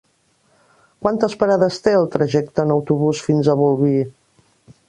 Quantes parades té el trajecte en autobús fins a Bolvir?